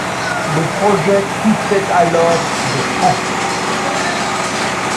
Le projet coûtait alors de francs.